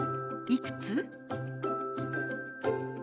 「いくつ？」。